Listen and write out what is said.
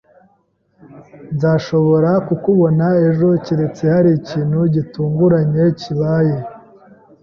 Nzashobora kukubona ejo keretse hari ikintu gitunguranye kibaye.